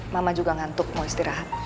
mama juga ngantuk mau istirahat